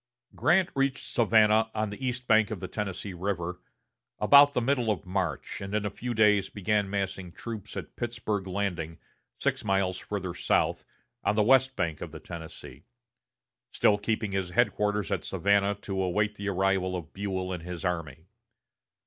Grant reached Savannah, on the east bank of the Tennessee River, about the middle of March, and in a few days began massing troops at Pittsburg Landing, six miles farther south, on the west bank of the Tennessee; still keeping his headquarters at Savannah, to await the arrival of Buell and his army.